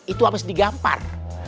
itu habis digampar